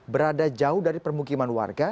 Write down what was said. berada jauh dari permukiman warga